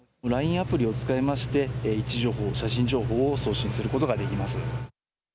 アプリを使いまして位置情報、写真情報を送信することができます。